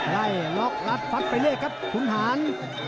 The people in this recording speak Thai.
ไล่ล็อกล้าไปเรียกครับคุณหาน